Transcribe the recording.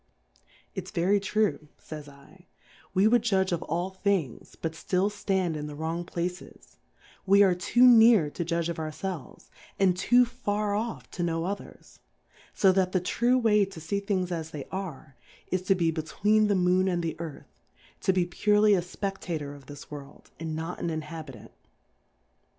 Its very true, fays /, we would judge of all Things, but ftill ftand in the wrong Places ; we are too near to judge of our felves, and too far off to knov/ others : So that the true way to fee Things as they are, is to be between the Moon and the Earth, to be purely a Speftator of this World, and not an In habitant.